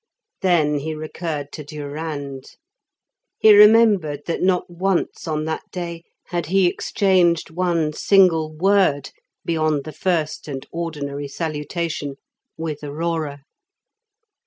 Then he recurred to Durand; he remembered that not once on that day had he exchanged one single word, beyond the first and ordinary salutation, with Aurora.